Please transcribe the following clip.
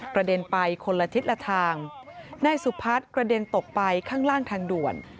เด็นไปคนละทิศละทางนายสุพัฒน์กระเด็นตกไปข้างล่างทางด่วน